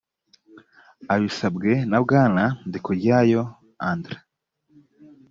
abisabwe na bwana ndikuryayo andr